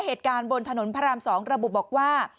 เหตุการณ์บนถนนพระราม๒ระบุบอกว่า